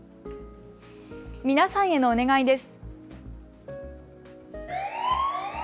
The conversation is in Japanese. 皆さんへのお願いです。